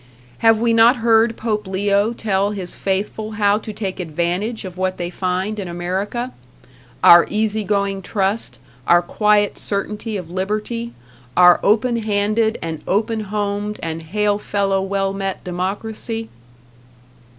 Have we not heard Pope Leo tell his faithful how to take advantage of what they find in America our easy going trust, our quiet certainty of liberty, our open handed and open homed and hail fellow well met democracy?